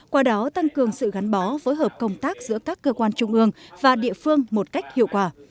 qua đó tăng cường sự gắn bó với hợp công tác giữa các cơ quan trung ương và địa phương một cách hiệu quả